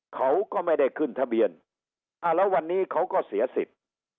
เขาก็ไม่ได้ขึ้นทะเบียนอ่าแล้ววันนี้เขาก็เสียสิทธิ์